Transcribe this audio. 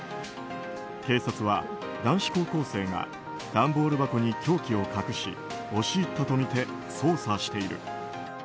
警察は男子高校生が段ボール箱に凶器を隠し押し入ったとみて捜査している。